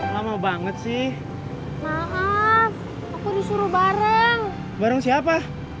lama banget sih maaf aku disuruh bareng bareng siapa